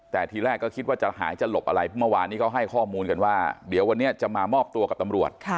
แต่ทีแรกก็คิดว่าจะหายจะหลบอะไรเมื่อวานนี้ก็ให้ข้อมูลกันว่าเดี๋ยววันนี้จะมามอบตัวกับตำรวจ